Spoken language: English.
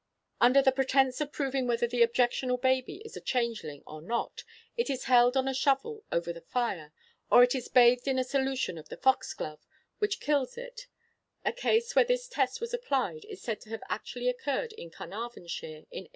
Under the pretence of proving whether the objectionable baby is a changeling or not, it is held on a shovel over the fire, or it is bathed in a solution of the fox glove, which kills it; a case where this test was applied is said to have actually occurred in Carnarvonshire in 1857.